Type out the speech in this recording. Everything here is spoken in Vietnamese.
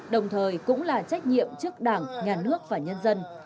đồng thời cũng là trách nhiệm trước đảng nhà nước và nhân dân